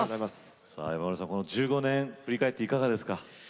山村さん、この１５年振り返っていかがですか？